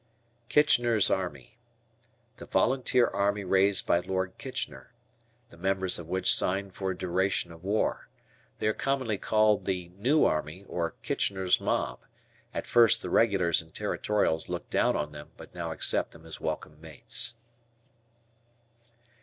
Kitchener's Army. The volunteer army raised by Lord Kitchener, the members of which signed for duration of war. They are commonly called the "New Army" or "Kitchener's Mob." At first the Regulars and Territorials looked down on them, but now accept them as welcome mates.